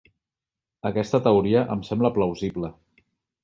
Aquesta teoria em sembla plausible.